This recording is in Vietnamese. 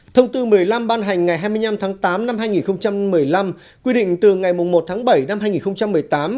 thông tư một mươi năm ban hành ngày hai mươi năm tháng tám năm hai nghìn một mươi năm quy định từ ngày một tháng bảy năm hai nghìn một mươi tám